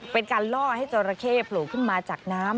เป็นการล่อให้จราเข้โผล่ขึ้นมาจากน้ำ